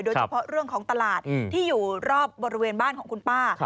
โดยเฉพาะเรื่องของตลาดที่อยู่รอบบริเวณบ้านของคุณป้า